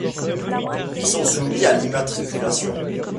Ils sont soumis à l’immatriculation.